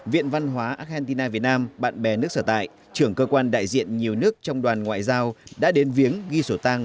viện văn hóa argentina việt nam bạn bè nước sở tại trưởng cơ quan đại diện nhiều nước trong đoàn ngoại giao đã đến viếng ghi sổ tang